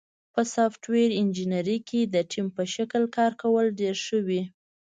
په سافټویر انجینری کې د ټیم په شکل کار کول ډېر ښه وي.